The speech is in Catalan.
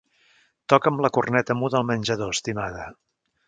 Toca'm la corneta muda al menjador, estimada.